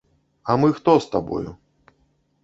А мы хто з табою?